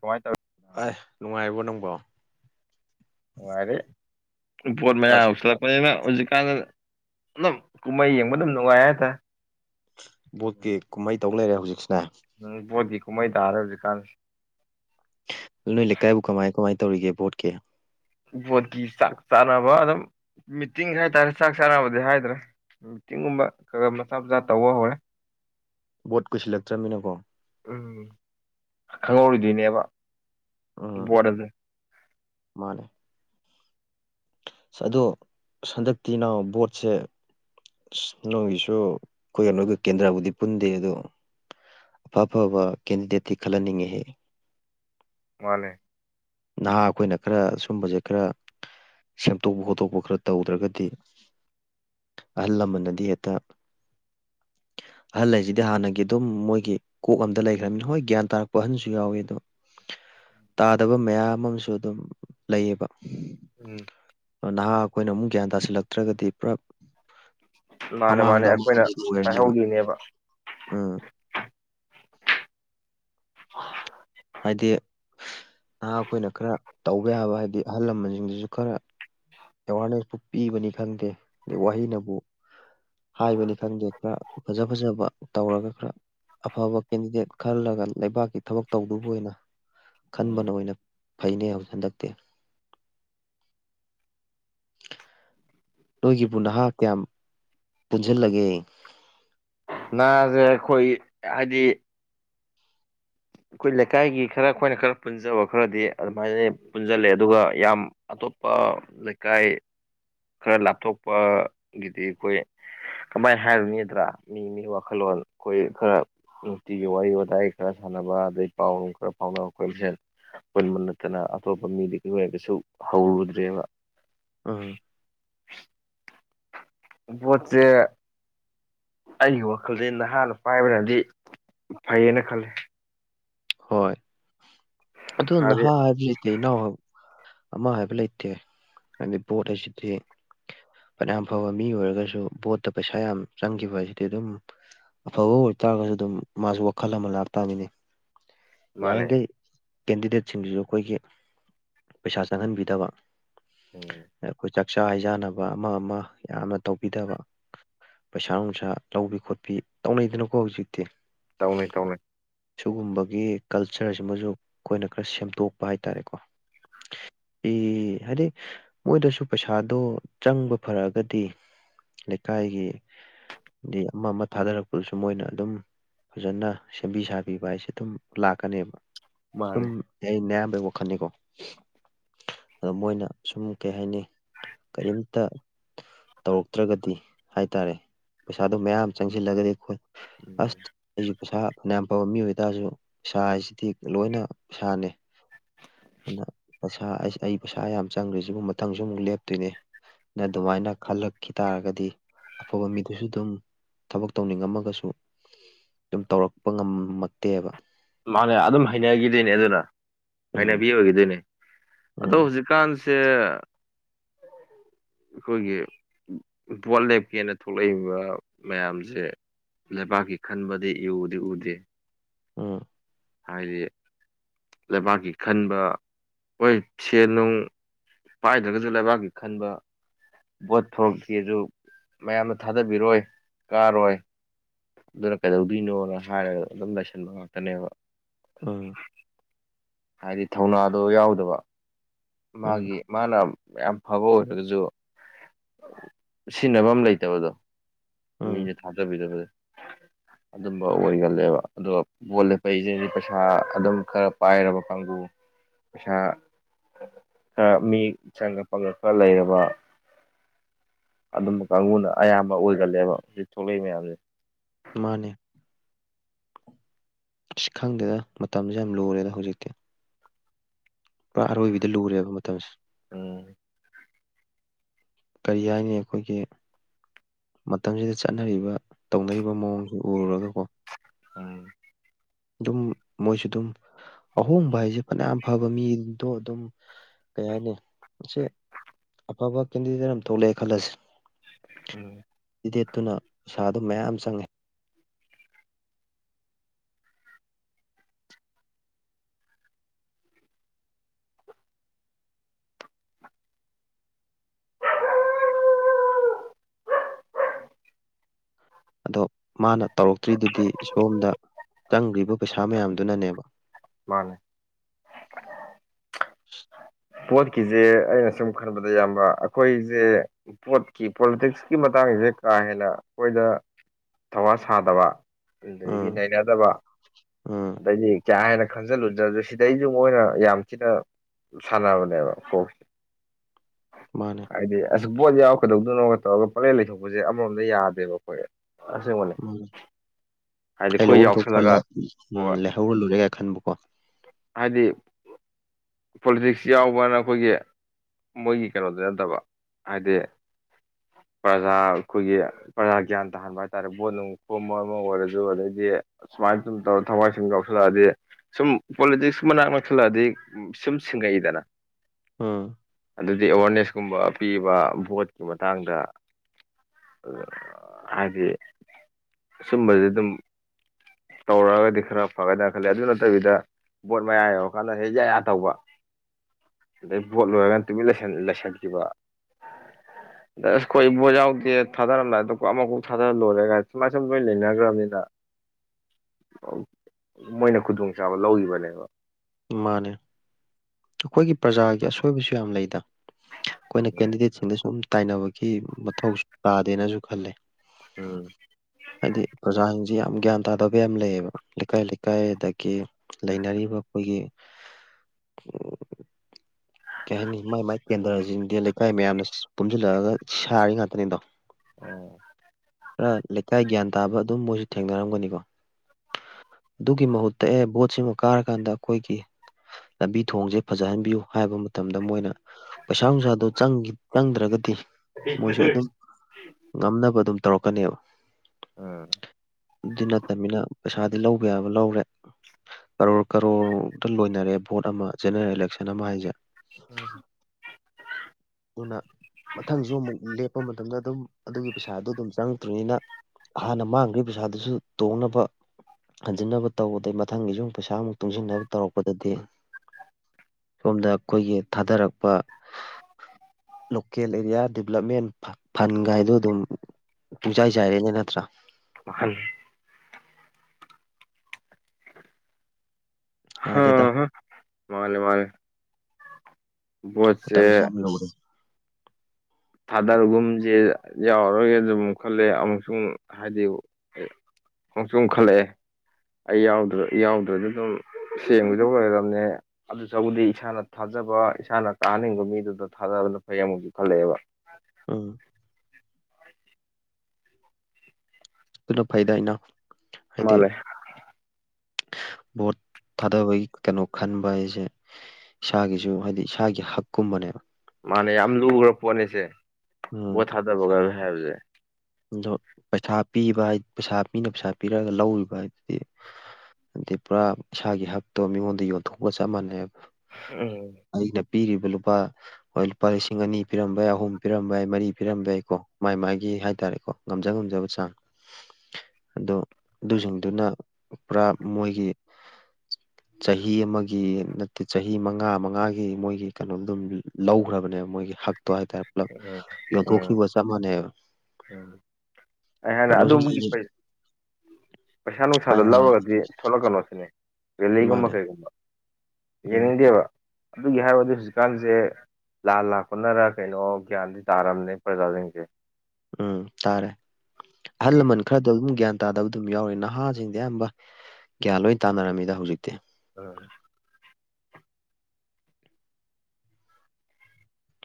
ꯀꯃꯥꯏ ꯇꯧ ꯑꯥꯏ ꯅꯨꯡꯉꯥꯏꯔꯤꯕꯣ ꯅꯪꯕꯣ ꯅꯨꯉꯥꯏꯔꯤ ꯚꯣꯠ ꯃꯌꯥ ꯑꯁ ꯑꯣꯏꯁꯟꯂꯛ ꯃꯥꯅꯦ ꯍꯧꯖꯤꯛꯀꯥꯟ ꯑꯗꯨꯝ ꯀꯨꯝꯍꯩ ꯌꯦꯡꯕ ꯑꯗꯨꯝ ꯅꯨꯡꯉꯥꯏ ꯍꯥꯏꯇꯥꯔꯦ ꯕꯣꯠꯀꯤ ꯀꯨꯝꯍꯩ ꯇꯧ ꯂꯩꯔꯦ ꯍꯧꯖꯤꯛꯁꯤꯅꯦ ꯎꯝ ꯕꯤꯠ ꯀ ꯃꯥꯏꯗꯔ ꯍꯧꯖꯤꯛꯀꯥꯟ ꯅꯣꯏ ꯂꯩꯀꯥꯏꯕꯨ ꯀꯃꯥꯏ ꯀꯃꯥꯏꯅ ꯇꯧꯔꯤꯒꯦꯚꯣꯠꯀꯦ ꯕꯣꯠꯀꯤ ꯆꯥꯛ ꯆꯥꯅꯕ ꯑꯗꯨꯝ ꯃꯤꯇꯤꯡ ꯍꯥꯏꯇꯥꯔꯦ ꯆꯥꯛ ꯆꯥꯅꯕꯗꯤ ꯍꯥꯏꯗ꯭ꯔꯥ ꯃꯤꯇꯤꯡꯒꯨꯝꯕ ꯈꯔ ꯃꯆꯥ ꯃꯆꯥ ꯇꯧꯕ ꯍꯧꯔꯦ ꯕꯣꯠ ꯀꯨꯁꯤꯜꯂꯛꯇ꯭ꯔꯕꯃꯤꯅꯀꯣ ꯎꯝ ꯈꯪꯍꯧꯔꯤꯗꯣꯏꯅꯦꯕ ꯎꯝ ꯕꯣꯠ ꯑꯁꯦ ꯃꯥꯅꯦ ꯑꯗꯣ ꯍꯟꯗꯛꯇꯤꯅ ꯚꯣꯠꯁꯦ ꯑꯁ ꯅꯣꯏꯒꯤꯁꯨ ꯈꯣꯏ ꯅꯣꯏ ꯀꯦꯟꯗ꯭ꯔꯕꯨꯗꯤ ꯄꯨꯟꯗꯦ ꯑꯗꯣ ꯑꯐ ꯑꯐꯕ ꯀꯦꯟꯗꯤꯗꯦꯠꯇꯤ ꯈꯜꯍꯟꯅꯤꯡꯉꯦꯍꯦ ꯃꯥꯅꯦ ꯅꯍꯥ ꯑꯩꯈꯣꯏꯅ ꯈꯔ ꯁꯨꯝꯕꯁꯦ ꯈꯔ ꯁꯦꯝꯗꯣꯛꯄ ꯈꯣꯇꯣꯛꯄ ꯈꯔ ꯇꯧꯗ꯭ꯔꯒꯗꯤ ꯑꯍꯜ ꯂꯥꯃꯟꯅꯗꯤ ꯍꯦꯛꯇ ꯑꯍꯜ ꯍꯥꯏꯁꯤꯗꯤ ꯍꯥꯟꯅꯒꯤ ꯑꯗꯨꯝ ꯃꯣꯏꯒꯤ ꯀꯣꯛ ꯑꯝꯗ ꯂꯩꯈ꯭ꯔꯅꯤꯅ ꯍꯣꯏ ꯒ꯭ꯌꯥꯟ ꯇꯥꯔꯛꯄ ꯑꯍꯟꯁꯨ ꯌꯥꯎꯏ ꯑꯗꯣ ꯇꯥꯗꯕ ꯃꯌꯥꯝ ꯑꯃꯁꯨ ꯑꯗꯨꯝ ꯂꯩꯌꯦꯕ ꯎꯝ ꯅꯍꯥ ꯑꯩꯈꯣꯏꯅ ꯑꯃꯨꯛ ꯒ꯭ꯌꯥꯟ ꯇꯥꯁꯤꯜꯂꯛꯇ꯭ꯔꯒꯗꯤ ꯄꯨꯔꯥ ꯃꯥꯅꯦ ꯃꯥꯅꯦ ꯑꯃꯥꯡꯕꯗ ꯑꯩꯈꯣꯏꯅ ꯑꯃꯥꯡꯕꯗꯣ ꯑꯣꯏꯔꯅꯦꯕ ꯄꯥꯏꯍꯧꯗꯣꯏꯅꯦꯕ ꯎꯝ ꯍꯥꯏꯗꯤ ꯅꯍꯥ ꯑꯩꯈꯣꯏꯅ ꯈꯔ ꯇꯧꯕ ꯌꯥꯕ ꯍꯥꯏꯗꯤ ꯑꯍꯜ ꯂꯥꯃꯟꯁꯤꯡꯁꯤꯁꯨ ꯈꯔ ꯑꯦꯋꯥꯔꯅꯦꯁ ꯄꯨ ꯄꯤꯕꯅꯤ ꯈꯪꯗꯦ ꯑꯗꯩ ꯋꯥꯍꯩꯅꯕꯨ ꯍꯥꯏꯕꯅꯤ ꯈꯪꯗꯦ ꯈꯔ ꯐꯖ ꯐꯖꯕ ꯇꯧꯔꯒ ꯈꯔ ꯑꯐꯕ ꯀꯦꯟꯗꯤꯗꯦꯠ ꯈꯜꯂꯒ ꯂꯩꯕꯥꯛꯀꯤ ꯊꯕꯛ ꯇꯧꯗꯧꯕ ꯑꯣꯏꯅ ꯎꯝ ꯈꯟꯕꯅ ꯑꯣꯏꯅ ꯐꯩꯅꯦ ꯍꯟꯗꯛꯇꯤ ꯅꯣꯏꯒꯤꯕꯨ ꯅꯍꯥ ꯀꯌꯥꯝ ꯄꯨꯟꯖꯟꯂꯒꯦ ꯅꯍꯥꯁꯦ ꯑꯩꯈꯣꯏ ꯍꯥꯏꯗꯤ ꯑꯩꯈꯣꯏ ꯂꯩꯀꯥꯏꯒꯤ ꯈꯔ ꯑꯩꯈꯣꯏꯅ ꯈꯔ ꯄꯨꯟꯖꯕ ꯈꯔꯗꯤ ꯑꯗꯨꯃꯥꯏꯅ ꯄꯨꯟꯁꯤꯜꯂꯦ ꯑꯗꯨꯒ ꯌꯥꯝ ꯑꯇꯣꯞꯄ ꯂꯩꯀꯥꯏ ꯈꯔ ꯂꯥꯞꯊꯣꯛꯄꯒꯤꯗꯤ ꯑꯩꯈꯣꯏ ꯀꯃꯥꯏ ꯍꯥꯏꯔꯨꯅꯤꯗ꯭ꯔꯥ ꯃꯤ ꯃꯤ ꯋꯥꯈꯜꯂꯣꯟ ꯑꯩꯈꯣꯏ ꯈꯔ ꯅꯨꯡꯇꯤꯒꯤ ꯋꯥꯔꯤ ꯋꯥꯇꯥꯏ ꯈꯔ ꯁꯥꯟꯅꯕ ꯑꯗꯩ ꯄꯥꯎꯅꯨꯡ ꯈꯔ ꯐꯥꯎꯅꯕ ꯑꯩꯈꯣꯏ ꯃꯁꯦꯜ ꯄꯨꯟꯕ ꯅꯠꯇꯅ ꯑꯇꯣꯞꯄ ꯃꯤꯗꯒꯤ ꯑꯣꯏꯔꯒꯁꯨ ꯍꯧꯔꯨꯗ꯭ꯔꯦꯕ ꯎꯝ ꯚꯣꯠ ꯁꯦ ꯑꯩꯒꯤ ꯋꯥꯈꯜꯗꯤ ꯅꯍꯥꯅ ꯄꯥꯏꯕꯅꯗꯤ ꯐꯩꯌꯦꯅ ꯈꯜꯂꯤ ꯍꯣꯏ ꯑꯗꯨ ꯍꯥꯏꯗꯤ ꯅꯍꯥ ꯍꯥꯏꯗꯤ ꯏꯅꯥꯎ ꯑꯃ ꯍꯥꯏꯕ ꯂꯩꯇꯦ ꯍꯥꯏꯗꯤ ꯚꯣꯠ ꯍꯥꯏꯁꯤꯗꯤ ꯐꯅꯌꯥꯝ ꯐꯥꯕ ꯃꯤ ꯑꯣꯏꯔꯒꯁꯨ ꯚꯣꯠꯇ ꯄꯩꯁꯥ ꯌꯥꯝ ꯆꯪꯒꯤꯕ ꯑꯁꯤꯗꯤ ꯑꯗꯨꯝ ꯑꯐꯕ ꯑꯣꯏꯇꯥꯥꯔꯒꯁꯨ ꯑꯗꯨꯝ ꯃꯥꯁꯨ ꯋꯥꯈꯜ ꯑꯃ ꯂꯥꯛꯇꯥꯕꯅꯤꯅꯦ ꯃꯥꯅꯦ ꯌꯥꯔꯤꯈꯩ ꯀꯦꯟꯗꯤꯗꯦꯠ ꯁꯤꯡꯁꯤꯁꯨ ꯑꯩꯈꯣꯏꯒꯤ ꯄꯩꯁꯥ ꯆꯪꯍꯟꯕꯤꯗꯕ ꯎꯝ ꯑꯈꯣꯏ ꯆꯥꯛꯆꯥ ꯍꯩꯖꯥꯟꯅꯕ ꯑꯃ ꯑꯃ ꯌꯥꯝꯅ ꯇꯧꯕꯤꯗꯕ ꯄꯩꯁꯥ ꯅꯨꯡꯁꯥ ꯂꯧꯕꯤ ꯈꯣꯠꯄꯤ ꯇꯧꯅꯩꯗꯅꯀꯣ ꯍꯧꯖꯤꯛꯇꯤ ꯇꯧꯅꯩ ꯇꯧꯅꯩ ꯁꯤꯒꯨꯝꯕꯒꯤ ꯀꯜꯆꯔꯁꯤ ꯃꯁꯨ ꯑꯩꯈꯣꯏꯅ ꯈꯔ ꯁꯦꯝꯗꯣꯛꯄ ꯍꯥꯏ ꯇꯥꯔꯦꯀꯣ [inaudible] ꯑꯦ ꯍꯥꯏꯗꯤ ꯃꯣꯏꯗꯁꯨ ꯄꯩꯁꯥꯗꯣ ꯆꯪꯕ ꯐꯔꯛꯑꯒꯗꯤ ꯂꯩꯀꯥꯏꯒꯤ ꯑꯗꯩ ꯑꯃ ꯑꯃ ꯊꯥꯗꯔꯛꯄꯗꯨꯁꯨ ꯃꯣꯏꯅ ꯑꯗꯨꯝ ꯐꯖꯅ ꯁꯦꯝꯕꯤ ꯁꯥꯕꯤꯕ ꯍꯥꯏꯁꯦ ꯑꯗꯨꯝ ꯂꯥꯛꯀꯅꯦꯕ ꯁꯨꯝ ꯃꯥꯅꯦ ꯑꯩ ꯅꯌꯥꯝꯕꯩ ꯋꯥꯈꯜꯅꯤꯀꯣ ꯑꯗꯣ ꯃꯣꯏꯅ ꯁꯨꯝ ꯀꯩ ꯍꯥꯏꯅꯤ ꯀꯔꯤꯝꯇ ꯇꯧꯔꯛꯇ꯭ꯔꯒꯗꯤ ꯍꯥꯏꯇꯥꯔꯦ ꯄꯩꯁꯥꯗꯣ ꯃꯌꯥꯝ ꯆꯪꯁꯤꯜꯂꯒꯗꯤ ꯈꯣꯏ ꯑꯁ ꯑꯩꯁꯨ ꯄꯩꯁꯥ ꯐꯅꯌꯥꯝ ꯐꯕ ꯃꯤ ꯑꯣꯏꯇꯥꯔꯁꯨ ꯄꯩ ꯁꯥꯥ ꯍꯥꯏꯁꯤꯗꯤ ꯂꯣꯏꯅꯩ ꯁꯥꯥꯅꯩ ꯑꯗꯨꯅ ꯄꯩꯁꯥ ꯑꯩ ꯄꯩꯁꯥ ꯌꯥꯝ ꯆꯪꯈ꯭ꯔꯦ ꯁꯤꯨꯝ ꯃꯊꯪꯁꯨ ꯑꯃꯨꯛ ꯂꯦꯞꯇꯣꯏꯅꯦ ꯅ ꯑꯗꯨꯃꯥꯏꯅ ꯈꯜꯂꯛꯈꯤ ꯇꯥꯔꯒꯗꯤ ꯑꯐꯕ ꯃꯤꯗꯨꯁꯨ ꯑꯗꯨꯝ ꯊꯕꯛ ꯇꯧꯅꯤꯡꯉꯝꯃꯒꯁꯨ ꯑꯗꯨꯝ ꯇꯧꯔꯛꯄ ꯉꯝꯃꯛꯇꯦꯕ ꯃꯥꯅꯦ ꯑꯗꯨꯝ ꯍꯩꯅꯈꯤꯗꯣꯏꯅꯦ ꯑꯗꯨꯅ ꯎꯝ ꯍꯩꯅꯕꯤ ꯑꯣꯏꯈꯤꯗꯣꯏꯅꯦ ꯑꯗꯣ ꯎꯝ ꯍꯧꯖꯤꯛ ꯀꯥꯟꯁꯦ ꯑꯩꯈꯣꯏꯒꯤ ꯄꯣꯠ ꯂꯦꯞꯀꯦꯅ ꯊꯣꯛꯂꯛꯏꯕ ꯃꯌꯥꯝꯁꯦ ꯂꯩꯕꯥꯛꯀꯤ ꯈꯟꯕꯗꯤ ꯏꯎꯗꯤ ꯎꯗꯦ ꯎꯝ ꯍꯥꯏꯗꯤ ꯂꯩꯕꯥꯛꯀꯤ ꯈꯟꯕ ꯍꯣꯏ ꯁꯦꯟ ꯅꯨꯡ ꯄꯥꯏꯗ꯭ꯔꯒꯁꯨ ꯂꯩꯕꯥꯛꯀꯤ ꯈꯟꯕ ꯕꯣꯠ ꯊꯣꯔꯛꯁꯤꯁꯨ ꯃꯌꯥꯝꯅ ꯊꯥꯗꯕꯤꯔꯣꯏ ꯀꯥꯔꯣꯏ ꯑꯗꯨꯅ ꯀꯩꯗꯧꯗꯣꯏꯅꯣꯅ ꯍꯥꯏꯔꯒ ꯑꯗꯨꯝ ꯂꯩꯁꯟꯕ ꯉꯥꯛꯇꯅꯦꯕ ꯑꯣ ꯍꯥꯏꯗꯤ ꯊꯧꯅꯥꯗꯣ ꯌꯥꯎꯗꯕ ꯎꯝ ꯃꯥꯒꯤ ꯃꯥꯅ ꯌꯥꯝ ꯐꯕ ꯑꯣꯏꯔꯒꯁꯨ ꯁꯤꯖꯤꯟꯅꯕ ꯑꯃ ꯂꯩꯇꯕꯗꯣ ꯎꯝ ꯃꯤꯅꯦ ꯊꯥꯗꯕꯤꯗ ꯐꯦ ꯑꯗꯨꯝꯕ ꯑꯣꯏꯒꯜꯂꯦꯕ ꯑꯗꯨꯒ ꯐꯨꯕꯣꯜ ꯂꯦꯄꯩꯁꯤꯗꯤ ꯄꯩꯁꯥ ꯑꯗꯨꯝ ꯈꯔ ꯄꯥꯏꯔꯕ ꯀꯥꯡꯪꯒꯨ ꯄꯩꯁꯥ ꯃꯤ ꯆꯪꯉꯛ ꯄꯪꯉꯛꯄ ꯂꯩꯔꯕ ꯑꯗꯨꯝꯕ ꯀꯥꯡꯕꯨꯅ ꯑꯌꯥꯝꯕ ꯑꯣꯏꯒꯜꯂꯦꯕ ꯍꯧꯖꯤꯛ ꯊꯣꯛꯂꯛꯏ ꯃꯌꯥꯝꯁꯦ ꯃꯥꯅꯦ ꯑ ꯈꯪꯗꯦꯗ ꯃꯇꯝꯁꯦ ꯌꯥꯝ ꯂꯨꯔꯦꯗ ꯍꯧꯖꯤꯛꯇꯤ ꯄꯨꯔꯥ ꯑꯔꯣꯏꯕꯤꯗ ꯂꯨꯔꯦꯕ ꯃꯇꯝꯁꯦ ꯎꯝ ꯀꯔꯤ ꯍꯥꯏꯅꯤ ꯑꯩꯈꯣꯏꯒꯤ ꯃꯇꯝꯁꯤꯗ ꯆꯠꯅꯔꯤꯕ ꯇꯧꯅꯔꯤꯕ ꯃꯑꯣꯡꯁꯤ ꯎꯔꯨꯔꯒꯀꯣ ꯎꯝ ꯑꯗꯨꯝ ꯃꯣꯏꯁꯨ ꯑꯗꯨꯝ ꯑꯍꯣꯡꯕ ꯍꯥꯏꯁꯦ ꯐꯅꯌꯥꯝ ꯐꯕ ꯃꯤꯗꯣ ꯑꯗꯨꯝ ꯀꯩ ꯍꯥꯏꯅꯤ ꯁꯤ ꯑꯐꯕ ꯀꯦꯟꯗꯤꯗꯦꯠ ꯑꯃ ꯊꯣꯛꯂꯛꯑꯦ ꯈꯜꯂꯁ ꯎꯝ ꯏꯗꯦꯠꯇꯨꯅ ꯎꯁꯥꯗꯨ ꯃꯌꯥꯝ ꯆꯪꯉꯦ ꯑꯗꯣ ꯃꯥꯅ ꯇꯧꯔꯛꯇ꯭ꯔꯤꯗꯨꯗꯤ ꯁꯣꯝꯗ ꯆꯪꯈ꯭ꯔꯤꯕ ꯄꯩꯁꯥ ꯃꯌꯥꯝꯗꯨꯅꯅꯦꯕ ꯃꯥꯅꯦ ꯕꯣꯠꯀꯤꯁꯦ ꯑꯩꯅ ꯁꯨꯝ ꯈꯟꯕꯗ ꯏꯌꯥꯝꯕ ꯑꯩꯈꯣꯏꯁꯦ ꯕꯣꯠꯀꯤ ꯄꯣꯂꯤꯇꯤꯛꯁꯀꯤ ꯃꯇꯥꯡꯁꯦ ꯀꯥ ꯍꯦꯟꯅ ꯑꯩꯈꯣꯏꯗ ꯊꯋꯥ ꯁꯥꯗꯕ ꯗꯒꯤ ꯎꯝ ꯅꯩꯅꯗꯕ ꯎꯝ ꯑꯗꯩꯗꯤ ꯀꯌꯥ ꯍꯥꯏꯦꯅ ꯈꯟꯖꯜꯂꯨꯁꯤꯜꯂꯁꯨ ꯁꯤꯗꯩꯁꯨ ꯃꯣꯏꯅ ꯌꯥꯝ ꯊꯤꯅ ꯁꯥꯟꯅꯕꯅꯦꯕ ꯀꯣꯛꯁꯦ ꯃꯥꯅꯦ ꯍꯥꯏꯗꯤ ꯑꯁ ꯕꯣꯠ ꯌꯥꯎꯔꯀꯗꯧꯣꯏꯅꯣꯒ ꯇꯧꯔꯒ ꯄꯂꯦꯟ ꯂꯩꯊꯣꯛꯄꯁꯦ ꯑꯃꯔꯣꯝꯗ ꯌꯥꯗꯦꯕ ꯑꯩꯈꯣꯏ ꯑꯁꯦꯡꯕꯅꯦ ꯍꯥꯏꯗꯤ ꯑꯩ ꯑꯩꯈꯣꯏ ꯂꯧꯝꯇꯧ ꯌꯥꯎꯁꯜꯂꯒ ꯈꯔꯗ ꯎꯝ ꯍꯣꯏ ꯂꯩꯍꯧꯔ ꯂꯣꯏꯔꯦꯒꯥꯏ ꯈꯟꯕꯀꯣ ꯍꯥꯏꯗꯤ ꯄꯣꯂꯤꯇꯤꯛꯁ ꯌꯥꯎꯕꯅ ꯑꯩꯈꯣꯏꯒꯤ ꯃꯣꯏꯒꯤ ꯀꯩꯅꯣꯗꯤ ꯅꯠꯇꯕ ꯍꯥꯏꯗꯤ ꯄ꯭ꯔꯖꯥ ꯑꯩꯈꯣꯏꯒꯤ ꯄ꯭ꯔꯖꯥ ꯒ꯭ꯌꯥꯟ ꯇꯥꯍꯟꯕ ꯍꯥꯏꯇꯥꯔꯦ ꯕꯣꯠ ꯅꯨꯡ ꯈꯣꯝꯕ ꯑꯃ ꯑꯣꯏꯔꯁꯨ ꯑꯗꯩꯗꯤ ꯁꯨꯃꯥꯏꯅ ꯇꯧꯔ ꯊꯋꯥꯏꯁꯤꯡꯟ ꯌꯥꯎꯁꯜꯂꯛꯑꯗꯤ ꯁꯨꯝ ꯄꯣꯂꯤꯇꯤꯛꯁ ꯃꯅꯥꯛ ꯅꯛꯊꯜꯂꯛꯑꯗꯤ ꯁꯨꯝ ꯁꯤꯡꯉꯛꯏꯗꯅ ꯑꯝ ꯑꯗꯨꯗꯤ ꯑꯦꯋꯥꯔꯅꯦꯁꯀꯨꯝꯕ ꯄꯤꯕ ꯚꯣꯠꯀꯤ ꯃꯇꯥꯡꯗ ꯍꯥꯏꯗꯤ ꯁꯨꯝꯕꯁꯦ ꯑꯗꯨꯝ ꯇꯧꯔꯛꯑꯒꯗꯤ ꯈꯔ ꯐꯒꯗ꯭ꯔꯅ ꯈꯜꯂꯦ ꯑꯗꯨ ꯅꯠꯇꯕꯤꯗ ꯕꯣꯠ ꯃꯌꯥ ꯌꯧꯔꯀꯥꯟꯗ ꯍꯦꯛ ꯌꯥ ꯇꯧꯕ ꯑꯗꯩ ꯚꯣꯠ ꯂꯣꯏꯔꯒ ꯇꯨꯃꯤꯟꯅ ꯂꯩꯁꯟꯈꯤꯕ [inaudible] ꯑꯁ ꯈꯣꯏ ꯏꯕꯣ ꯌꯥꯎꯗꯦ ꯊꯥꯗꯔꯝꯗꯥꯏ ꯂꯨꯞ ꯑꯃꯀꯣꯛ ꯊꯥꯗꯔ ꯂꯨꯏꯔꯦ ꯁꯨꯃꯥꯏꯅ ꯁꯨꯝ ꯂꯣꯏꯅ ꯂꯩꯅꯈ꯭ꯔꯕꯅꯤꯅ ꯃꯣꯏꯅ ꯈꯨꯗꯣꯡꯆꯥꯥꯕ ꯂꯧꯈꯤꯕꯅꯦꯕ ꯏꯃꯥꯅꯦ ꯑꯩꯈꯣꯏꯒꯤ ꯄ꯭ꯔꯖꯥꯒꯤ ꯑꯁꯣꯏꯕꯁꯨ ꯌꯥꯝ ꯂꯩꯗ ꯑꯩꯈꯣꯏꯅ ꯀꯦꯟꯗꯤꯗꯦꯠꯁꯤꯡꯗ ꯁꯨꯝ ꯇꯥꯏꯅꯕꯒꯤ ꯃꯊꯧꯁꯨ ꯇꯥꯗꯦꯅꯁꯨ ꯈꯜꯂꯦ ꯎꯝ ꯍꯥꯏꯗꯤ ꯄ꯭ꯔꯖꯥꯁꯤꯡꯁꯤ ꯌꯥꯝ ꯒ꯭ꯌꯥꯟ ꯇꯥꯗꯕ ꯌꯥꯝ ꯂꯩꯌꯦꯕ ꯂꯩꯀꯥꯏ ꯂꯩꯀꯥꯏ ꯑꯗꯒꯤ ꯂꯩꯅꯔꯤꯕ ꯑꯩꯈꯣꯏꯒꯤ ꯀꯩ ꯍꯥꯏꯅꯤ ꯃꯥꯏ ꯃꯥꯏ ꯀꯦꯟꯗ꯭ꯔꯁꯤꯡꯗꯤ ꯀꯥꯏ ꯃꯌꯥꯝꯅ ꯄꯨꯨꯝꯁꯤꯜꯂꯛꯑꯒ ꯁꯥꯔꯤ ꯉꯥꯛꯇꯅꯤꯗꯣ ꯑꯣ ꯈꯔ ꯂꯩꯀꯥꯏ ꯒ꯭ꯌꯥꯟ ꯇꯥꯕ ꯑꯗꯨꯝ ꯃꯣꯏꯁꯨ ꯊꯦꯡꯅꯔꯝꯒꯅꯤꯀꯣ ꯑꯗꯨꯒꯤ ꯃꯍꯨꯠꯇ ꯑꯦ ꯕꯣꯠꯁꯤꯃ ꯀꯥꯔꯀꯥꯟꯗ ꯑꯩꯈꯣꯏꯒꯤ ꯂꯝꯕꯤ ꯊꯣꯡꯁꯦ ꯐꯖꯍꯟꯕꯤꯌꯨ ꯍꯥꯏꯕ ꯃꯇꯝꯗ ꯃꯣꯏꯅ ꯄꯩꯁꯥ ꯅꯨꯡꯁꯥꯗꯣꯈꯤ ꯆꯪꯗ꯭ꯔꯒꯗꯤ ꯃꯣꯏꯁꯨ ꯑꯗꯨꯝ ꯉꯝꯅꯕ ꯑꯗꯨꯝ ꯇꯧꯔꯛꯀꯅꯦꯕ ꯎꯝ ꯑꯗꯨꯏ ꯅꯠꯇꯅꯤꯅ ꯄꯩꯁꯥꯗꯤ ꯂꯧꯕ ꯌꯥꯕ ꯂꯧꯔꯦ ꯀꯔꯣꯔ ꯀꯔꯣꯔꯗ ꯂꯣꯏꯅꯔꯑꯦ ꯚꯣꯠ ꯑꯃ ꯖꯦꯅꯔꯦꯜ ꯏꯂꯦꯛꯁꯟ ꯑꯃ ꯍꯥꯏꯁꯦ ꯎꯝ ꯍ ꯑꯗꯨꯅ ꯃꯊꯪꯁꯨ ꯑꯃꯨꯛ ꯂꯦꯞꯄ ꯃꯇꯝꯗ ꯑꯗꯨꯝ ꯑꯗꯨꯒꯤ ꯄꯩꯁꯥꯗ ꯑꯗꯨꯝ ꯆꯪꯉꯛꯇ꯭ꯅꯤꯅ ꯍꯥꯟꯅ ꯃꯥꯡꯈ꯭ꯔꯤꯕ ꯄꯩꯁꯥꯗꯨꯁꯨ ꯇꯣꯡꯅꯕ ꯍꯟꯖꯤꯟꯅꯕ ꯇꯧꯕꯗꯩ ꯃꯊꯪꯒꯤꯁꯨ ꯑꯃꯨꯝ ꯄꯩꯁꯥꯃꯨꯛ ꯇꯨꯡꯁꯤꯟꯅꯕ ꯇꯧꯔꯛꯄꯗꯗꯤ ꯁꯣꯝꯗ ꯑꯩꯈꯣꯏꯒꯤ ꯊꯥꯗꯔꯛꯄ ꯂꯣꯀꯦꯜ ꯑꯦꯔꯤꯌꯥ ꯗꯤꯕꯂꯞꯃꯦꯟ ꯐꯟꯒꯥꯏꯗꯣ ꯑꯗꯨꯝ ꯄꯨꯡꯆꯥꯏ ꯆꯥꯏꯔꯦꯅꯦ ꯅꯠꯇ꯭ꯔꯥ ꯎ ꯍ ꯌꯥꯗꯦꯗ ꯃꯥꯅꯦ ꯃꯥꯅꯦ ꯣꯠꯁꯦ ꯦ ꯊꯥꯗꯔꯒꯨꯝꯁꯦ ꯌꯥꯎꯔꯒꯦ ꯑꯗꯨꯝ ꯈꯜꯂꯦ ꯑꯃꯁꯨꯡꯨ ꯍꯥꯏꯗꯤ ꯍꯣꯡꯆꯨꯝꯈꯠꯂꯛꯑꯦ ꯑꯩꯗ꯭ꯔ ꯌꯥꯎꯗ꯭ꯔꯗꯤ ꯑꯗꯨꯝ ꯁꯦꯡꯕꯗꯣ ꯑꯣꯏꯔꯗꯕꯅꯦ ꯑꯗꯨ ꯆꯕꯨꯗꯤ ꯏꯁꯥꯅ ꯊꯥꯖꯕ ꯏꯁꯥꯅ ꯇꯥꯍꯟꯅꯤꯡꯕ ꯃꯤꯗꯨꯗ ꯊꯥꯖꯕꯅ ꯐꯩ ꯑꯃꯨꯛꯁꯨ ꯈꯜꯂꯛꯑꯦꯕ ꯑ ꯎꯝ ꯑꯗꯨꯅ ꯐꯥꯏꯗ ꯍꯥꯏꯅ ꯃꯥꯂꯦ ꯚꯣꯠ ꯊꯥꯗꯕꯩ ꯀꯩꯅꯣ ꯈꯟꯕ ꯍꯥꯏꯖ‌ꯦ ꯏꯁꯥꯒꯤꯁꯨ ꯍꯥꯏꯗꯤ ꯏꯁꯥꯒꯤ ꯍꯛꯀꯨꯝꯕꯅꯦꯕ ꯃꯥꯅꯦ ꯌꯥꯝ ꯂꯨꯈ꯭ꯔ ꯄꯣꯠꯅꯤꯁꯦ ꯎꯝ ꯕꯣꯠ ꯊꯥꯗꯕꯒ ꯍꯥꯏꯕꯁꯦ ꯑꯗꯣ ꯄꯩꯁꯥ ꯄꯤꯕ ꯍꯥꯏ ꯄꯩꯁꯥ ꯃꯤꯅ ꯄꯩꯁꯥ ꯄꯤꯔꯒ ꯂꯧꯔꯤꯕ ꯍꯥꯏꯗꯨꯗꯤ ꯑꯗꯤ ꯄꯨꯔꯥ ꯏꯁꯥꯒꯤ ꯍꯛꯇꯣ ꯃꯤꯉꯣꯟꯗ ꯌꯣꯟꯊꯣꯛꯄꯒ ꯆꯞ ꯃꯥꯟꯅꯩꯕ ꯎꯝ ꯑꯩꯅ ꯄꯤꯔꯤꯕ ꯂꯨꯄꯥ ꯍꯣꯏ ꯂꯨꯄꯥ ꯂꯤꯁꯤꯡ ꯑꯅꯤ ꯄꯤꯔꯝꯕ ꯌꯥꯏ ꯑꯍꯨꯝ ꯄꯤꯔꯝꯕ ꯌꯥꯏ ꯃꯔꯤ ꯄꯤꯔꯝꯕ ꯌꯥꯏꯀꯣ ꯃꯥꯏ ꯃꯥꯥꯏꯒꯤ ꯍꯥꯏꯇꯥꯔꯦ ꯀꯣ ꯉꯝꯖ ꯉꯝꯖꯕ ꯆꯥꯡ ꯑꯗꯣ ꯑꯗꯨꯁꯤꯡꯗꯨꯅ ꯄꯨꯔꯥ ꯃꯣꯏꯒꯤ ꯆꯍꯤ ꯑꯃꯒꯤ ꯅꯠꯇꯦ ꯆꯍꯤ ꯃꯉꯥ ꯃꯉꯥꯒꯤ ꯃꯣꯏꯒꯤ ꯀꯩꯅꯣꯗꯨ ꯑꯗꯨꯝ ꯂꯧꯈ꯭ꯔꯕꯅꯦꯕ ꯃꯣꯏꯒꯤ ꯍꯛ ꯍꯥꯏꯂ ꯎꯝ ꯎꯝ ꯌ ꯣꯒ ꯆ ꯃꯥꯅꯦ ꯎꯝ ꯑꯩ ꯍꯥꯟꯅ ꯀꯩꯅꯣꯁꯤꯡ ꯑꯗꯣꯝꯒꯤ ꯄꯩꯁꯥ ꯅꯨꯡꯁꯥꯗ ꯂꯧꯔꯒꯗꯤ ꯊꯣꯛꯂꯛꯀꯅꯣ ꯁꯤꯅꯦ ꯃꯥꯅꯦ ꯕꯦꯂꯤꯒꯨꯝꯕ ꯀꯩꯒꯨꯝꯕ ꯎꯝ ꯌꯦꯡꯅꯤꯡꯗꯦꯕ ꯑꯗꯨꯒꯤ ꯍꯥꯏꯔꯗꯤ ꯍꯧꯖꯤꯛꯀꯥꯟꯁꯦ ꯂꯥꯟ ꯂꯥꯛꯄꯅꯔ ꯀꯩꯅꯣ ꯒ꯭ꯌꯥꯟꯗꯤ ꯇꯥꯔꯝꯅꯦ ꯄ꯭ꯔꯖꯥꯁꯤꯡꯁꯦ ꯎꯝ ꯇꯥꯔꯦ ꯑꯍꯜ ꯎꯝ ꯂꯃꯟ ꯈꯔꯗ ꯑꯗꯨꯝ ꯒ꯭ꯌꯥꯟ ꯇꯥꯗꯕ ꯑꯗꯨꯝ ꯌꯥꯎꯔꯤ ꯅꯍꯥꯁꯤꯡꯗꯤ ꯑꯌꯥꯝꯕ ꯒ꯭ꯌꯥꯟ ꯂꯣꯏ ꯇꯥꯅꯔꯝꯃꯤꯗ ꯍꯧꯖꯤꯛꯇꯤ ꯑꯥ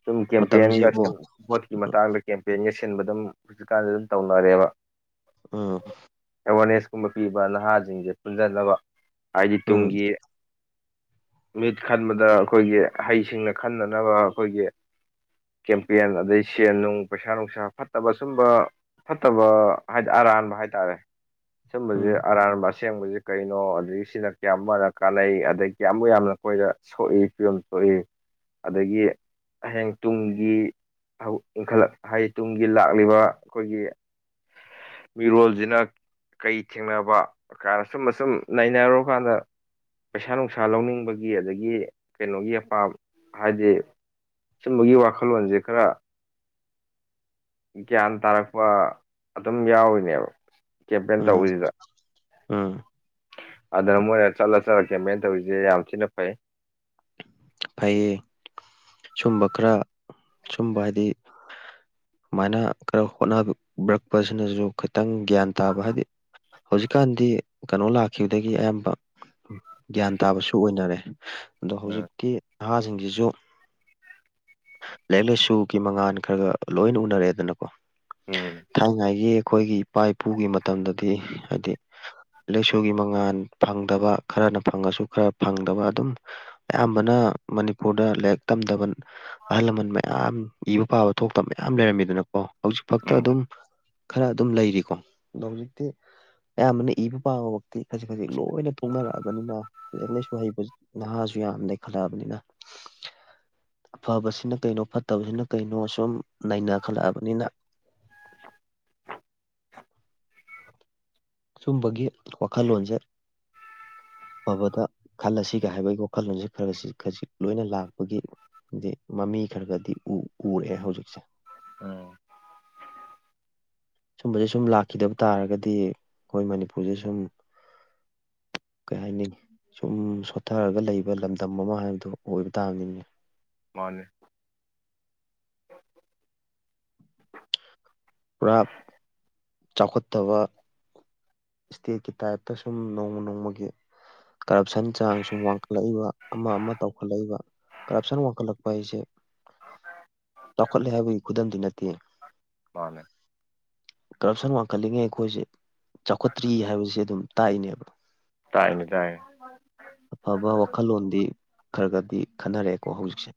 ꯁꯨꯝ ꯀꯦꯝꯄꯦꯟꯒ ꯃꯇꯝꯁꯤꯕꯨ ꯁꯤꯟ ꯚꯣꯠꯀꯤ ꯃꯇꯥꯡꯗ ꯀꯦꯝꯄꯦꯟꯒ ꯁꯤꯟꯕ ꯑꯗꯨꯝ ꯍꯧꯖꯤꯛꯀꯥꯟꯗꯗꯤ ꯑꯗꯨꯝ ꯇꯧꯅꯔꯦꯕ ꯎꯝ ꯑꯦꯋꯥꯔꯅꯦꯁꯀꯨꯝꯕ ꯄꯤꯕ ꯅꯍꯥꯁꯤꯡꯁꯦ ꯄꯨꯟꯁꯤꯟꯅꯕ ꯍꯥꯏꯗꯤ ꯎꯝ ꯇꯨꯡꯒꯤ ꯃꯤꯠ ꯈꯟꯕꯗ ꯑꯩꯈꯣꯏꯒꯤ ꯍꯩꯁꯤꯡꯅ ꯈꯟꯅꯅꯕ ꯑꯩꯈꯣꯏꯒꯤ ꯀꯦꯝꯄꯦꯟ ꯑꯗꯩ ꯁꯦꯟ ꯅꯨꯡ ꯄꯩꯁꯥ ꯅꯨꯡꯁꯥ ꯐꯠꯇꯕ ꯁꯨꯝꯕ ꯐꯠꯇꯕ ꯍꯥꯏꯗꯤ ꯑꯔꯥꯟꯕ ꯍꯥꯏꯇꯥꯔꯦ ꯁꯨꯝꯕꯁ‌ꯦ ꯎꯝ ꯑꯔꯥꯟꯕ ꯑꯁꯦꯡꯕꯁꯤ ꯀꯩꯅꯣ ꯑꯗꯒꯤ ꯁꯤꯅ ꯀꯌꯥꯝꯃꯨꯔꯛ ꯀꯥꯟꯅꯩ ꯑꯗꯒꯤ ꯀꯌꯥꯃꯨꯛ ꯌꯥꯝꯅ ꯑꯩꯈ‌ꯣꯏꯗ ꯁꯣꯛꯏ ꯐꯤꯕꯝ ꯁꯣꯛꯏ ꯑꯗꯒꯤ ꯍꯌꯦꯡ ꯇꯨꯡꯒꯤ ꯑꯧ ꯏꯟꯈꯠꯂꯛ ꯍꯥꯏꯗꯤ ꯇꯨꯡꯒꯤ ꯂꯥꯛꯂꯤꯕ ꯑꯩꯈꯣꯏꯒꯤ ꯃꯤꯔꯣꯜꯁꯤꯅ ꯀꯩ ꯊꯦꯡꯅꯕ ꯀꯥꯏꯅ ꯁꯨꯝ ꯑꯁꯨꯝ ꯅꯩꯅꯔꯨꯀꯥꯟꯗ ꯄꯩꯁꯥ ꯅꯨꯡꯁꯥ ꯂꯧꯅꯤꯡꯕꯒꯤ ꯑꯗꯒꯤ ꯀꯩꯅꯣꯒꯤ ꯑꯄꯥꯝ ꯍꯥꯏꯗꯤ ꯁꯨꯝꯕꯒꯤ ꯋꯥꯈꯜꯂꯣꯟꯁꯦ ꯈꯔ ꯒ꯭ꯌꯥꯟ ꯇꯥꯔꯛꯄ ꯑꯗꯨꯝ ꯌꯥꯎꯔꯤꯅꯦꯕ ꯀꯦꯝꯄꯦꯟ ꯎꯝ ꯇꯧꯕꯁꯤꯗ ꯎꯝ ꯑꯗꯨꯅ ꯃꯣꯏꯅ ꯆꯠꯂ ꯆꯠꯂ ꯀꯦꯝꯄꯦꯟ ꯇꯧꯔꯤꯁꯦ ꯌꯥꯝ ꯊꯤꯅ ꯐꯩ ꯐꯩꯌꯦ ꯁꯨꯝꯕ ꯈꯔ ꯁꯨꯝꯕ ꯍꯥꯏꯗꯤ ꯁꯨꯃꯥꯏꯅ ꯈꯔ ꯍꯣꯠꯅꯕꯤꯔꯛꯄꯁꯤꯅꯁꯨ ꯈꯤꯇꯪ ꯒ꯭ꯌꯥꯟ ꯇꯥꯕ ꯍꯥꯏꯗꯤ ꯍꯧꯖꯤꯛꯀꯥꯟꯗꯤ ꯀꯩꯅꯣ ꯂꯥꯛꯈꯤꯕꯗꯒꯤ ꯑꯌꯥꯝꯕ ꯒ꯭ꯌꯥꯟ ꯇꯥꯕꯁꯨ ꯑꯣꯏꯅꯔꯦ ꯑꯗꯣ ꯎꯝ ꯍꯧꯖꯤꯛꯇꯤ ꯅꯍꯥꯁꯤꯡꯁꯤꯁꯨ ꯂꯥꯏꯔꯤꯛ ꯂꯥꯏꯁꯨꯒꯤ ꯃꯉꯥꯜ ꯈ꯭ꯔꯛ ꯈ꯭ꯔꯛ ꯂꯣꯏꯅ ꯎꯅꯔ‌ꯦꯗꯅꯀꯣ ꯎꯝ ꯊꯥꯏꯅꯉꯥꯏꯒꯤ ꯑꯩꯈꯣꯏꯒꯤ ꯏꯄꯥ ꯏꯄꯨꯒꯤ ꯃꯇꯝꯗꯗꯤ ꯍꯥꯏꯗꯤ ꯂꯩꯥꯏꯁꯨꯒꯤ ꯃꯉꯥꯜ ꯐꯪꯗꯕ ꯈꯔꯅ ꯐꯪꯉꯁꯨ ꯈꯔ ꯐꯪꯗꯕ ꯑꯗꯨꯝ ꯑꯌꯥꯝꯕꯅ ꯃꯅꯤꯄꯨꯔꯗ ꯂꯥꯏꯔꯤꯛ ꯇꯝꯗꯕ ꯑꯍꯜ ꯂꯃꯟ ꯃꯌꯥꯝ ꯏꯕ ꯄꯥꯕ ꯊꯣꯛꯇꯝ ꯃꯌꯥꯝ ꯂꯩꯔꯝꯃꯤꯗꯅꯀꯣ ꯍꯧꯖꯤꯛ ꯐꯛꯇ ꯎꯝ ꯑꯗꯨꯝ ꯈꯔ ꯑꯗꯨꯝ ꯂꯩꯔꯤꯀꯣ ꯗꯣ ꯍꯧꯖꯤꯛꯇꯤ ꯑꯌꯥꯝꯕꯅ ꯏꯕ ꯄꯥꯕꯃꯛꯇꯤ ꯈꯖꯤꯛ ꯈꯖꯤꯛ ꯂꯣꯏꯅ ꯊꯣꯛꯅꯔꯛꯑꯕꯅꯤꯅ ꯂꯥꯏꯔꯤꯛ ꯂꯥꯏꯁꯨ ꯍꯩꯕ ꯅꯍꯥꯁꯨ ꯌꯥꯝ ꯂꯩ ꯈꯜꯂꯛꯑꯕꯅꯤꯅ ꯑꯐꯕꯁꯤꯅ ꯀꯩꯅꯣ ꯐꯠꯇꯕꯁꯤꯅ ꯀꯩꯅꯣ ꯁꯨꯝ ꯅꯩꯅꯈꯠꯂꯛꯑꯕꯅꯤꯅ ꯁꯨꯝꯕꯒꯤ ꯋꯥꯈꯜꯂꯣꯟꯁꯦ ꯐꯕꯗ ꯈꯜꯂꯁꯤꯒ ꯍꯥꯏꯕꯒꯤ ꯋꯥꯈꯜꯂꯣꯟꯁꯤ ꯈꯔꯁꯤ ꯈꯖꯤꯛ ꯂꯣꯏꯅ ꯂꯥꯛꯄꯒꯤ ꯗꯤ ꯃꯃꯤ ꯈꯔꯒꯗꯤ ꯎꯔꯑꯦ ꯍꯧꯖꯤꯛꯁꯦ ꯑꯣ ꯁꯨꯝꯕꯁꯦ ꯁꯨꯝ ꯂꯥꯛꯈꯤꯗꯕ ꯇꯥꯔꯒꯗꯤ ꯑꯩꯈꯣꯏ ꯃꯅꯤꯄꯨꯔꯁꯦ ꯁꯨꯝ ꯀꯩ ꯍꯥꯏꯅꯤꯉꯤ ꯁꯨꯝ ꯁꯣꯊꯔꯒ ꯂꯩꯕ ꯂꯝꯗꯝ ꯑꯃ ꯍꯥꯏꯕꯗꯨ ꯑꯣꯏꯕ ꯇꯥꯕꯅꯤꯅꯦ ꯃꯥꯅꯦ ꯄꯨꯔꯥ ꯆꯥꯎꯈꯠꯇꯕ ꯏꯁꯇꯦꯠꯀꯤ ꯇꯥꯏꯞꯇ ꯁꯨꯝ ꯅꯣꯡꯃ ꯅꯣꯡꯃꯒꯤ ꯀꯔꯞꯁꯟ ꯆꯥꯡ ꯁꯨꯝ ꯋꯥꯡꯈꯠꯂꯛꯏꯕ ꯑꯃ ꯑꯃ ꯇꯧꯈꯠꯂꯛꯏꯕ ꯀꯔꯞꯁꯟ ꯋꯥꯡꯈꯠꯂꯛꯄ ꯍꯥꯏꯁꯦ ꯆꯥꯎꯈꯠꯂꯦ ꯍꯥꯏꯕꯒꯤ ꯈꯨꯗꯝꯗꯤ ꯅꯠꯇꯦ ꯃꯥꯅꯦ ꯀꯔꯞꯁꯟ ꯋꯥꯡꯈꯠꯂꯤꯉꯩ ꯑꯩꯈꯣꯏꯁꯦ ꯆꯥꯎꯈꯠꯇ꯭ꯔꯤ ꯍꯥꯏꯕꯁ‌ꯦ ꯑꯗꯨꯝ ꯇꯥꯛꯏꯅꯦꯕ ꯇꯥꯛꯏꯅꯦ ꯇꯥꯛꯏꯟ ꯑꯐꯕ ꯋꯥꯈꯜꯂꯣꯟꯗꯤ ꯈꯔꯒꯗꯤ ꯈꯟꯅꯔꯛꯑꯦꯀꯣ ꯍꯧꯖꯤꯛꯁꯦ